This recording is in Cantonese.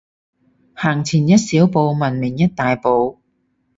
行前一小步，文明一大步